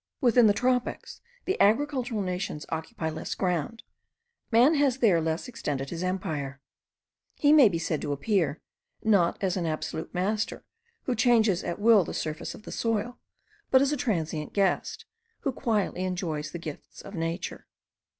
Within the tropics the agricultural nations occupy less ground: man has there less extended his empire; he may be said to appear, not as an absolute master, who changes at will the surface of the soil, but as a transient guest, who quietly enjoys the gifts of nature.